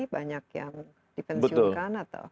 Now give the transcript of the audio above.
banyak yang dipensiunkan atau